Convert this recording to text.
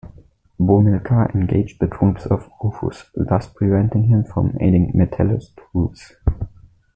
Bomilcar engaged the troops of Rufus, thus preventing him from aiding Metellus' troops.